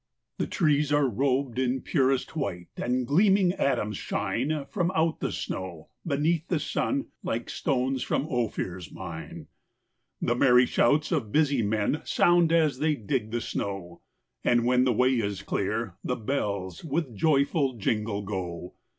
The trees are rob'd in purest white, And gleaming atoms shine From out the snow, beneath the sun, Like stones from Ophir's mine. The merry shouts of busy men Sound, as they dig the snow; And, when the way is clear, the bells With joyful jingle, go.